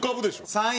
３位。